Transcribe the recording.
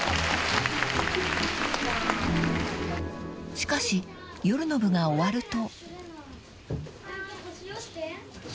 ［しかし夜の部が終わると］